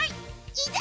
いざ